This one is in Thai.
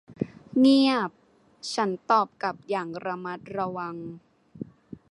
เงียบ ฉันตอบกลับอย่างระมัดระวัง